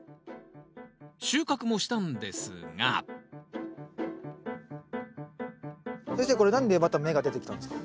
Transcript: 収穫もしたんですが先生これ何でまた芽が出てきたんですか？